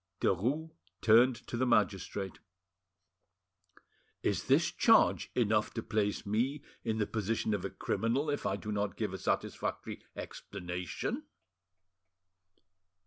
Derues turned to the magistrate. "Is this charge enough to place me in the position of a criminal if I do not give a satisfactory explanation?"